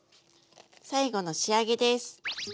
最後の仕上げです。